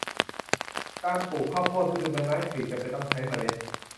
การปลูกข้าวโพดฤดูใบไม้ผลิจำเป็นต้องใช้เมล็ด